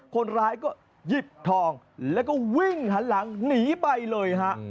คนร้ายก็หยิบทองแล้วก็วิ่งหันหลังหนีไปเลยฮะ